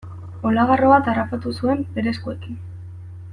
Olagarro bat harrapatu zuen bere eskuekin.